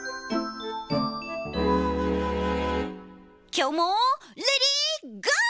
きょうもレディーゴー！